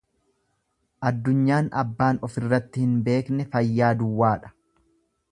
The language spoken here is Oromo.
Addunyaan abbaan ofirratti hin beekne fayyaa duwwaadha.